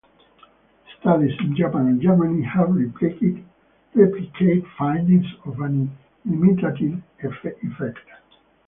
Studies in Japan and Germany have replicated findings of an imitative effect.